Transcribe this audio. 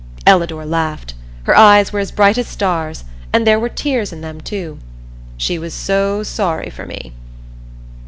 Ellador laughed. Her eyes were as bright as stars, and there were tears in them, too. She was so sorry for me.